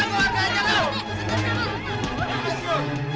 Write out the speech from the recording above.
jangan bercanda pak